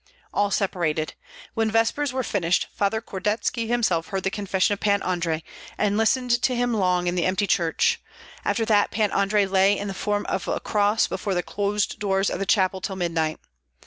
All separated. When vespers were finished Father Kordetski himself heard the confession of Pan Andrei, and listened to him long in the empty church; after that, Pan Andrei lay in the form of a cross before the closed doors of the chapel till midnight.